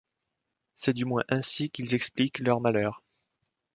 C'est du moins ainsi qu'ils expliquent leurs malheurs.